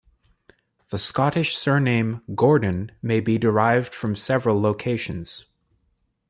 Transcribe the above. The Scottish surname "Gordon" may be derived from several locations.